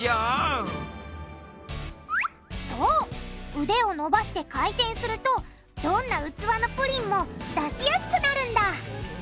そう腕を伸ばして回転するとどんな器のプリンも出しやすくなるんだ